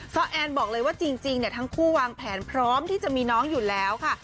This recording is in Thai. แอนบอกเลยว่าจริงทั้งคู่วางแผนพร้อมที่จะมีน้องอยู่แล้วค่ะ